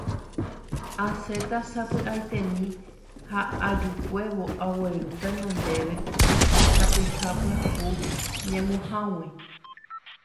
Asẽta sapy'aitemi ha ajukuévo aguerúta ñandéve tesapeha pyahu ñemuhágui.